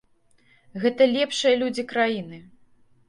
Гэта лепшыя людзі краіны.